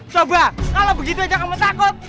coba kalau begitu aja kamu takut